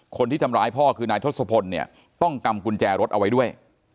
คนที่ทำร้ายพ่อคือนายทศพลเนี่ยต้องกำกุญแจรถเอาไว้ด้วย